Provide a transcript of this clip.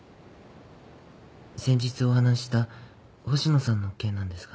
先日お話した星野さんの件なんですが。